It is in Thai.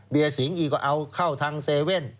เบียร์สิงศ์อีกก็เอาเข้าทางเซเว่น